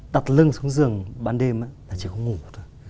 đặt lưng xuống giường ban đêm là chỉ không ngủ thôi